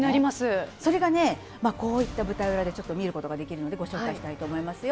それがこういった舞台裏で見ることができるのでご紹介します。